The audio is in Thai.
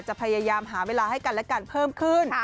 พยายามหาเวลาให้กันและกันเพิ่มขึ้น